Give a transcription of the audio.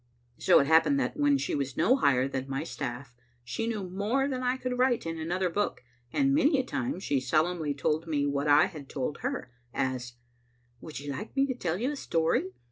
So it happened that when she was no higher than my staff she knew more than I could write in another book, and many a time she solemnly told me what I had told her, as —" Would you like me to tell you a story?